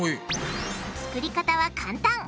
作り方は簡単！